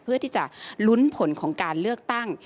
เพื่อที่จะลุ้นผลของการเลือกตั้ง